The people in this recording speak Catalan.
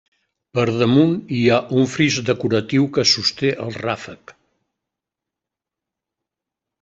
Per damunt hi ha un fris decoratiu que sosté el ràfec.